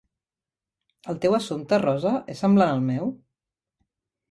El teu assumpte, Rosa, és semblant al meu?